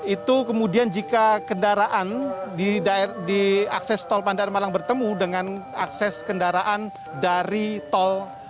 itu kemudian jika kendaraan di akses tol pandar malang bertemu dengan akses kendaraan dari tol